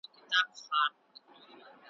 چي وو به نرم د مور تر غېږي ,